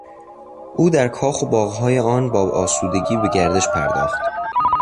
او در کاخ و باغهای آن با آسودگی به گردش پرداخت.